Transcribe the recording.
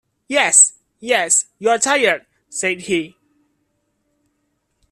"Yes, yes, you are tired," said he.